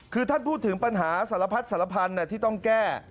คือท่านพูดถึงปัญหาสารพัดสารพันธุ์ที่ต้องแก้